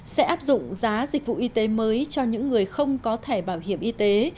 sẽ áp dụng giá dịch vụ y tế mới cho những người không có thẻ bảo hiểm y tế